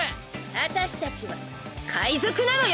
あたしたちは海賊なのよ！